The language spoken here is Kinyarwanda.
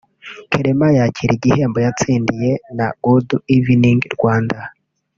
Clement yakira igihembo cyatsindiwe na Good Evening Rwanda